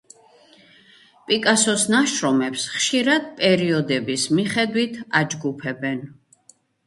პიკასოს ნაშრომებს ხშირად პერიოდების მიხედვით აჯგუფებენ.